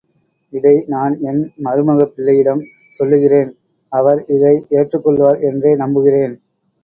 இதை நான் என் மருமகப்பிள்ளையிடம் சொல்லுகிறேன், அவர் இதை ஏற்றுக்கொள்வார் என்றே நம்புகிறேன்.